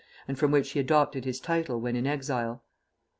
and from which he adopted his title when in exile.